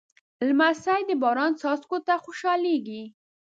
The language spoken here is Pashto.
لمسی د باران څاڅکو ته خوشحالېږي.